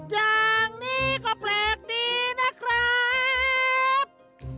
อย่างนี้ก็แปลกดีนะครับ